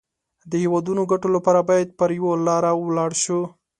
د هېوادنيو ګټو لپاره بايد پر يوه لاره ولاړ شو.